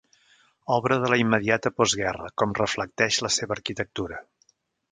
Obra de la immediata postguerra, com reflecteix la seva arquitectura.